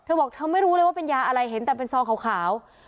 บอกเธอไม่รู้เลยว่าเป็นยาอะไรเห็นแต่เป็นซองขาว